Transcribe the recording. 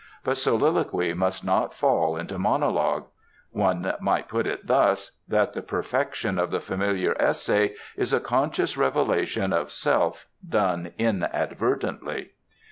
But soliloquy must not fall into monologue. One might put it thus: that the perfection of the familiar essay is a conscious revelation of self done inadvertently.